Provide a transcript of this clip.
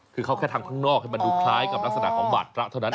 คือเขาแค่ทำข้างนอกให้มันดูคล้ายกับลักษณะของบาดพระเท่านั้น